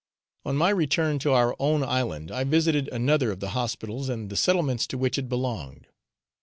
On my return to our own island I visited another of the hospitals, and the settlements to which it belonged.